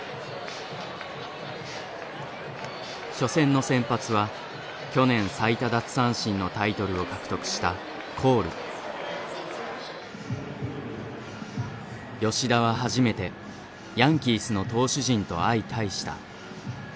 初戦の先発は去年最多奪三振のタイトルを獲得した吉田は初めてヤンキースの投手陣と相対した。